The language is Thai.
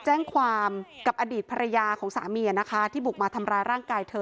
แจ้งความกับอดีตภรรยาของสามีนะคะที่บุกมาทำร้ายร่างกายเธอ